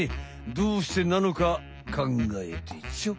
どうしてなのかかんがえてちょ。